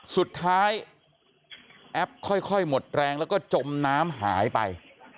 สุดท้ายแอ๊บค่อยหมดแรงแล้วก็จบน้ำหายไป